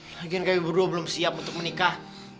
lagian kami berdua belum siap untuk menikah